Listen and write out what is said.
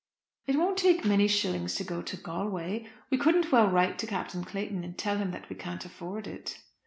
"It won't take many shillings to go to Galway. We couldn't well write to Captain Clayton and tell him that we can't afford it."